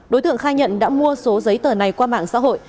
đối tượng khai nhận đã mua số giấy tờ này qua mạng xã hội